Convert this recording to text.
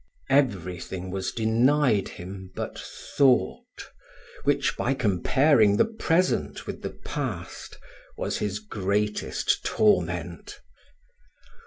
Every thing was denied him but thought, which, by comparing the present with the past, was his greatest torment.